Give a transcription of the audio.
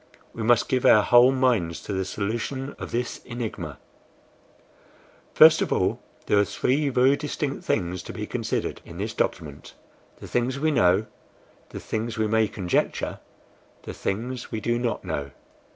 We must give our whole minds to the solution of this enigma." "First of all, there are three very distinct things to be considered in this document the things we know, the things we may conjecture, the things we do not know."